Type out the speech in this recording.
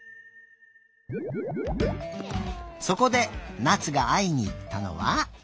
そこでなつがあいにいったのは。